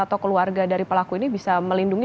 atau keluarga dari pelaku ini bisa melindungi